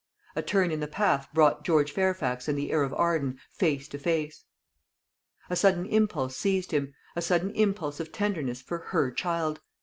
A turn in the path brought George Fairfax and the heir of Arden face to face. A sudden impulse seized him a sudden impulse of tenderness for her child.